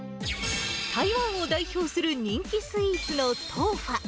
台湾を代表する人気スイーツのトウファ。